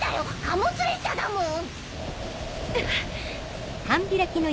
貨物列車だもん！